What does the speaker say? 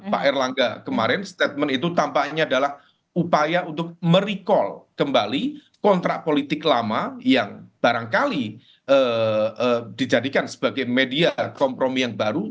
pak erlangga kemarin statement itu tampaknya adalah upaya untuk merecall kembali kontrak politik lama yang barangkali dijadikan sebagai media kompromi yang baru